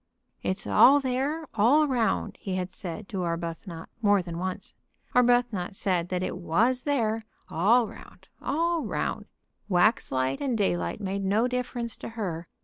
"It's all there all round," he had said to Arbuthnot more than once. Arbuthnot said that it was there "all round, all round." Waxlight and daylight made no difference to her.